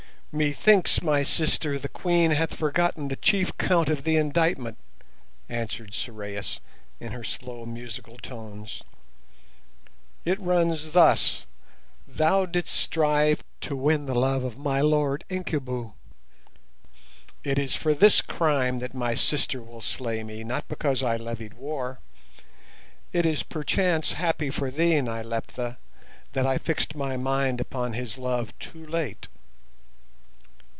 "Methinks my sister the Queen hath forgotten the chief count of the indictment," answered Sorais in her slow musical tones. "It runs thus: 'Thou didst strive to win the love of my lord Incubu.' It is for this crime that my sister will slay me, not because I levied war. It is perchance happy for thee, Nyleptha, that I fixed my mind upon his love too late.